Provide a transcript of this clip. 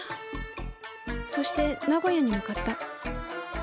そして名古屋に向かった。